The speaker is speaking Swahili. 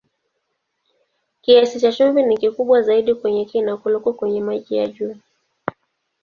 Kiasi cha chumvi ni kikubwa zaidi kwenye kina kuliko kwenye maji ya juu.